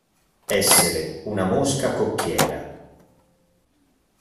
Essere una mosca cocchiera.